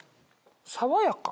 爽やか。